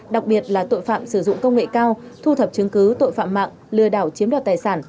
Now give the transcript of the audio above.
đặc biệt là tội phạm sử dụng công nghệ cao thu thập chứng cứ tội phạm mạng lừa đảo chiếm đoạt tài sản